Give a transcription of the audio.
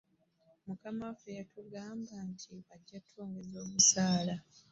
Mukama waffe yatugamba nti ajja kutwongeza omusaala.